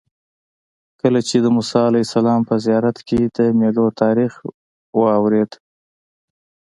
کله چې د موسی علیه السلام په زیارت کې د میلو تاریخ واورېد.